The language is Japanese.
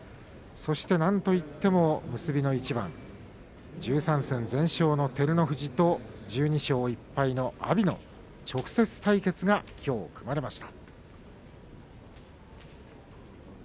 そしてなんといっても結びの一番１３戦全勝の照ノ富士と１２勝１敗の阿炎の直接対決がきょう組まれました。